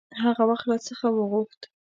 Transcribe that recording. هغه وخت را څخه وغوښت.